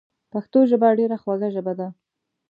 پښتو ژبه ډیره خوږه ژبه ده